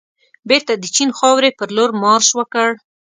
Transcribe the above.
بېرته د چین خاورې پرلور مارش وکړ.